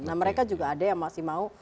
nah mereka juga ada yang masih mau